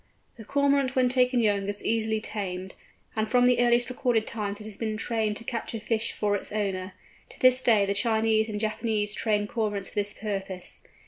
The Cormorant when taken young is easily tamed, and from the earliest recorded times it has been trained to capture fish for its owner. To this day the Chinese and Japanese train Cormorants for this purpose.